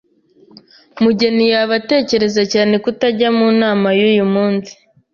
Mugeni yaba atekereza cyane kutajya mu nama yuyu munsi?